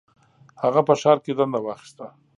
هغه په ښار کې دنده واخیسته.